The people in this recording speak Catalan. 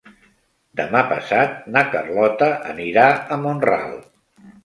Demà passat na Carlota anirà a Mont-ral.